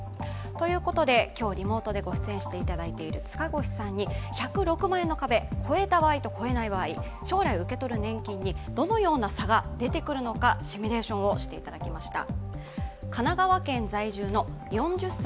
ということで今日リモートでご出演いただいている塚越さんに１０６万円の壁、越えた場合と越えない場合、どのような差が出てくるのかシミュレーションをしていただきました。